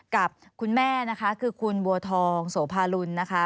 กับคุณแม่นะคะคือคุณบัวทองโสภาลุลนะคะ